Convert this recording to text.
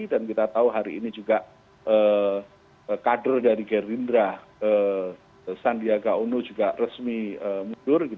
dan kita tahu hari ini juga kader dari gerindra sandiaga uno juga resmi mundur